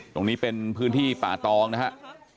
ตรงนี้เป็นพื้นที่ป่าตองนะครับ